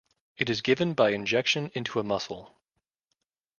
It is given by injection into a muscle.